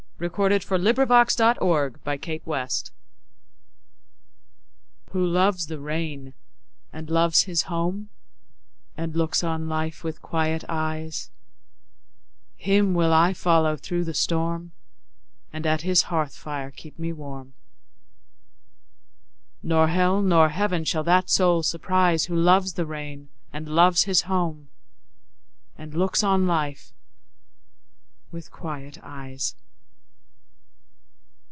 1917. Who Loves the Rain By Frances Shaw WHO loves the rainAnd loves his home, And looks on life with quiet eyes, Him will I follow through the storm; And at his hearth fire keep me warm; Nor hell nor heaven shall that soul surprise, Who loves the rain, And loves his home, And looks on life with quiet eyes.